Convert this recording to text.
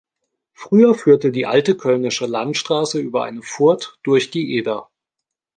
Früher führte die alte Kölnische Landstraße über eine Furt durch die Eder.